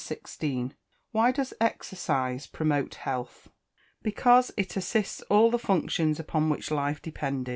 Why does exercise promote health? Because it assists all the functions upon which life depend.